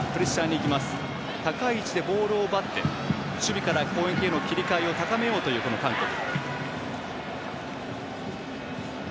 高い位置でボールを奪って守備から攻撃への切り替えを高めようという韓国。